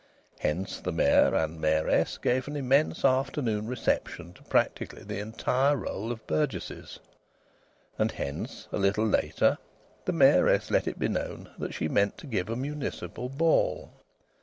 Hence the Mayor and Mayoress gave an immense afternoon reception to practically the entire roll of burgesses. And hence, a little later, the Mayoress let it be known that she meant to give a municipal ball.